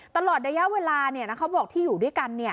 ตลอดระยะเวลาเขาบอกที่อยู่ด้วยกัน